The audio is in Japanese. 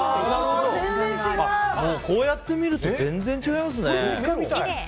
こうやって見ると全然違いますね。